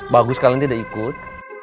bagus kalian tidak ikut